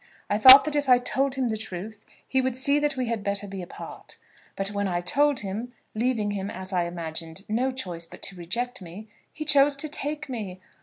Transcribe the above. I thought that if I told him the truth he would see that we had better be apart. But when I told him, leaving him, as I imagined, no choice but to reject me, he chose to take me.